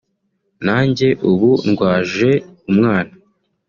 nanjye ubu ndwaje umwana